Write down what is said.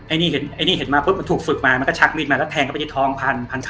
ไอนี่เห็นมาปุ๊บมันถูกฝึกมามันก็ชักมีดมาแล้วแทงเข้าไปที่ทองพันคำ